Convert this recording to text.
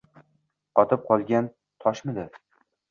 Qotib qolgan toshmidi?